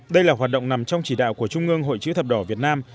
đây là hoạt động nằm trong chỉ đạo của trung ương hội chữ thập đỏ việt nam